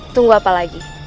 tunggu apa lagi